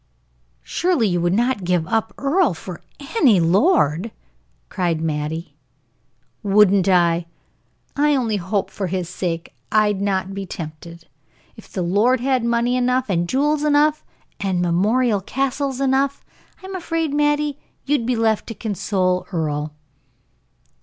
"Surely you would not give up Earle for any lord!" cried Mattie. "Wouldn't I! I only hope for his sake I'd not be tempted. If the lord had money enough, and jewels enough, and memorial castles enough I'm afraid, Mattie, you'd be left to console Earle."